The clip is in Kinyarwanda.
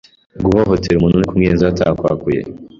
Guhohotera umuntu ni ukumwiyenzaho atakwakuye